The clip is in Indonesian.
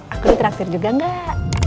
aku diteraktir juga enggak